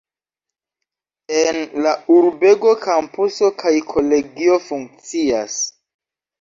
En la urbego kampuso kaj kolegio funkcias.